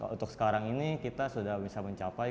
untuk sekarang ini kita sudah bisa mencapai